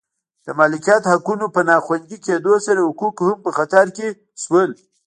د مالکیت حقونو په نا خوندي کېدو سره حقوق هم په خطر کې شول